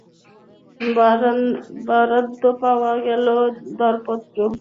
বরাদ্দ পাওয়া গেলে দরপত্র আহ্বানের মাধ্যমে সড়কটির সংস্কারকাজ শুরু করা হবে।